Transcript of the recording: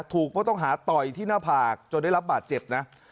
ถูกผู้ต้องหาต่อยที่หน้าผากจนได้รับบาดเจ็บนะ